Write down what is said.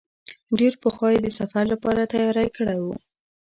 ډېر پخوا یې د سفر لپاره تیاری کړی و.